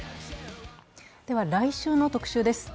来週の「特集」です。